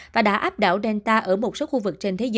và đã áp đảo delta ở một số khu vực trên thế giới